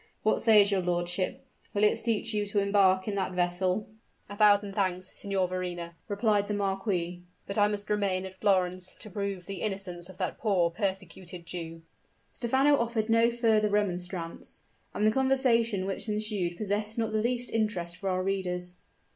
What says your lordship? will it suit you to embark in that vessel?" "A thousand thanks, Signor Verrina," replied the marquis; "but I must remain at Florence to prove the innocence of that poor, persecuted Jew." Stephano offered no further remonstrance; and the conversation which ensued possessed not the least interest for our readers.